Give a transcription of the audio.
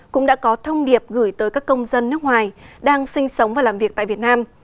cũng đã có thông điệp gửi tới các công dân nước ngoài đang sinh sống và làm việc tại việt nam